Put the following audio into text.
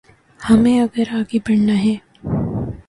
ہمیں اگر آگے بڑھنا ہے۔